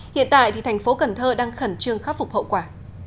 hiện tại thì thành phố cần thơ đang khẩn trương khắc phục hậu quả